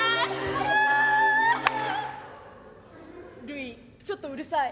る以ちょっとうるさい。